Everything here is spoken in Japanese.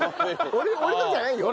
俺のじゃないよ。